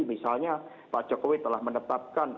misalnya pak jokowi telah menetapkan